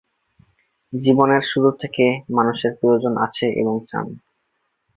জীবনের শুরু থেকে, মানুষের প্রয়োজন আছে এবং চান।